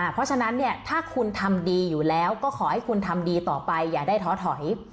เพราะฉะนั้นเนี่ยถ้าคุณทำดีอยู่แล้วก็ขอให้คุณทำดีต่อไปอย่าได้ท้อถอย